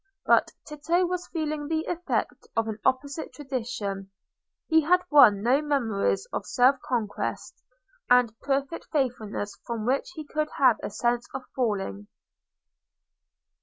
But Tito was feeling the effect of an opposite tradition: he had won no memories of self conquest and perfect faithfulness from which he could have a sense of falling.